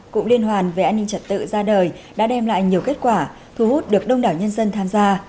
cụm liên hoàn về an ninh trật tự ra đời đã đem lại nhiều kết quả thu hút được đông đảo nhân dân tham gia